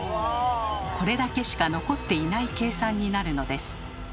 これだけしか残っていない計算になるのです。